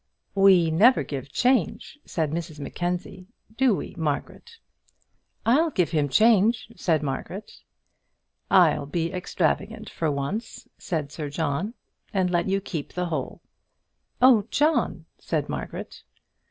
"We never give change," said Mrs Mackenzie: "do we, Margaret?" "I'll give him change," said Margaret. "I'll be extravagant for once," said Sir John, "and let you keep the whole." "Oh, John!" said Margaret.